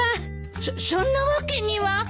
そっそんなわけには。